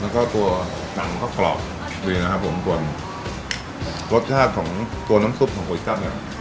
แล้วก็ตัวหนังก็กรอบดีนะครับผมส่วนรสชาติของตัวน้ำซุปของก๋วยจับเนี่ย